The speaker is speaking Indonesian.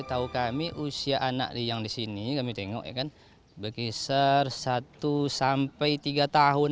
tahu kami usia anak yang di sini kami tengok ya kan berkisar satu sampai tiga tahun